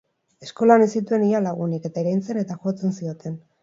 Eskolan ez zituen ia lagunik, eta iraintzen eta jotzen zioten.